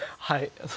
はい。